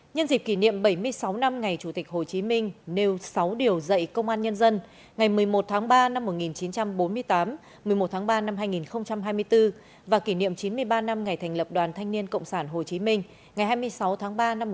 nhân dịp kỷ niệm bảy mươi sáu năm ngày chủ tịch hồ chí minh nêu sáu điều dạy công an nhân dân ngày một mươi một tháng ba năm một nghìn chín trăm bốn mươi tám một mươi một tháng ba năm hai nghìn hai mươi bốn và kỷ niệm chín mươi ba năm ngày thành lập đoàn thanh niên cộng sản hồ chí minh ngày hai mươi sáu tháng ba năm một nghìn chín trăm bốn mươi